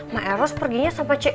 ma eros perginya sama cei itu